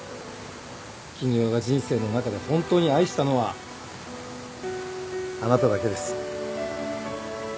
絹代が人生の中で本当に愛したのはあなただけです。